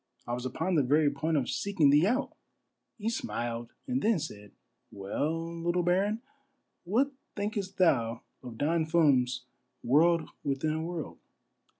" I was upon the very point of seeking thee out." He smiled and then said, — "Well, little baron, what thinkest thou of Don Fum's World within a World?